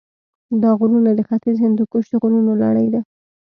دا غرونه د ختیځ هندوکش د غرونو لړۍ ده.